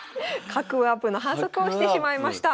角ワープの反則をしてしまいました。